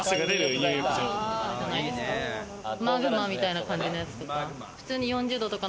マグマみたいな感じのやつとか。